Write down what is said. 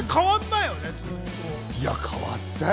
いや、変わったよ。